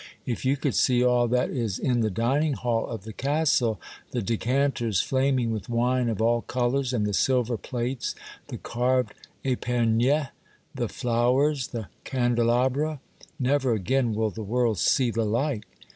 If you could see all that is in the dining hall of the castle, the decanters flaming with wine of all colors, and the silver plates, the carved epergnes, the flowers, Yule Tide Stories. 259 the candelabra ! Never again will the world see the like